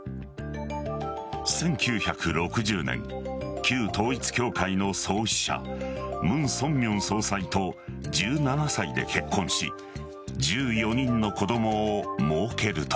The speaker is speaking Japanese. １９６０年旧統一教会の創始者ムン・ソンミョン総裁と１７歳で結婚し１４人の子供をもうけると。